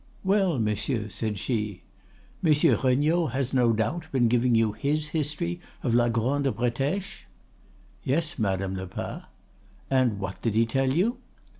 "'Well, monsieur,' said she, 'Monsieur Regnault has no doubt been giving you his history of la Grande Bretèche?' "'Yes, Madame Lepas.' "'And what did he tell you?